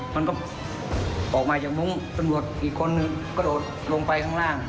มันก็ออกมาจากมุ้งตำรวจอีกคนนึงกระโดดลงไปข้างล่าง